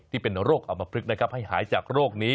ที่เป็นโรคอมพลึกนะครับให้หายจากโรคนี้